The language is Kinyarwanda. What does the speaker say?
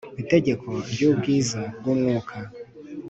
itegeko ry ubwiza bw umwuka